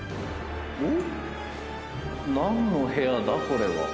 何の部屋だこれは？